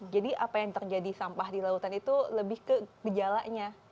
jadi apa yang terjadi sampah di lautan itu lebih ke gejalanya